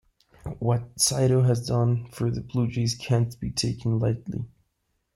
What Cito has done for the Blue Jays can't be taken lightly.